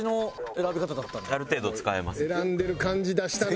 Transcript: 選んでる感じ出したな。